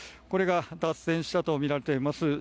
これが脱線したとみられています